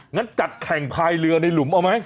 งั้นจัดแข่งพายเรือในหลุมเอาไหม